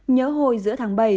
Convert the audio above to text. nhớ hồi giữa tháng bảy